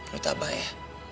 lo tabah ya